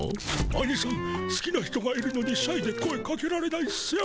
あにさんすきな人がいるのにシャイで声かけられないんっすよ。